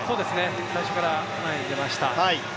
最初から前に出ましたね。